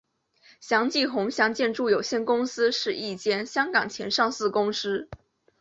祥记冯祥建筑有限公司是一间香港前上市公司。